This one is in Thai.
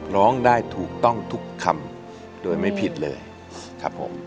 ร้องได้ถูกต้องทุกคำโดยไม่ผิดเลยครับผม